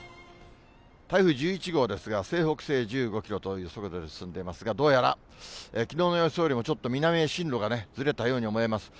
台風１１号ですが、西北西へ１５キロという速度で進んでますが、どうやらきのうの予想よりもちょっと南へ進路がずれたように思えます。